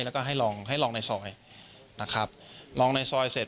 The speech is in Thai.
แล้วก็ให้ลองให้ลองในซอยนะครับลองในซอยเสร็จ